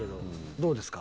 どうですか？